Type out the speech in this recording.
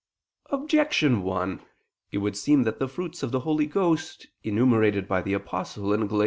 Objection 1: It would seem that the fruits of the Holy Ghost, enumerated by the Apostle (Gal.